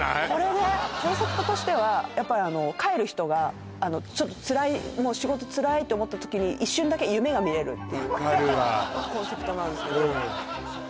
これねコンセプトとしてはやっぱりあの帰る人がちょっとつらいもう仕事つらいって思った時に一瞬だけ夢が見れるっていう分かるわコンセプトなんですけど